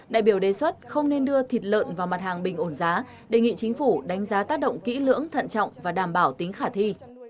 đại biểu đề xuất không nên đưa thịt lợn vào mặt hàng bình ổn giá đề nghị chính phủ đánh giá tác động kỹ lưỡng thận trọng và đảm bảo tính khả thi